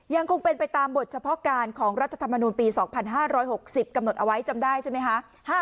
ยังคงเป็นไปตามบทเฉพาะการของรัฐธรรมนูลปี๒๕๖๐กำหนดเอาไว้จำได้ใช่ไหมคะ